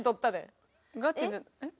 えっ？